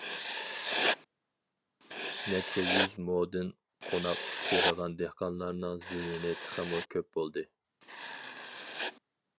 نەچچە يۈز مودىن قوناق تېرىغان دېھقانلارنىڭ زىيىنى تېخىمۇ كۆپ بولدى.